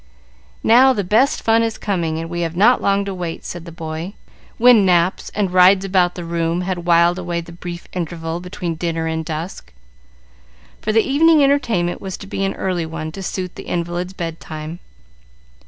"Now the best fun is coming, and we have not long to wait," said the boy, when naps and rides about the room had whiled away the brief interval between dinner and dusk, for the evening entertainment was to be an early one, to suit the invalids' bedtime.